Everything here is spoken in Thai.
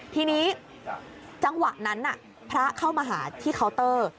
ทีนี้จังหวะนั้นพระเข้ามาหาที่เคาน์เตอร์